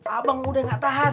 abang udah nggak tahan